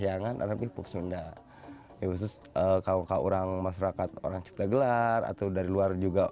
yang akan lebih paksa undang khusus kau kau orang masyarakat orang ciptagelar atau dari luar juga